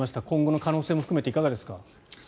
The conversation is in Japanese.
今後の可能性も含めていかがですか？